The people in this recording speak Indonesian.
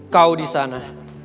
kau di sana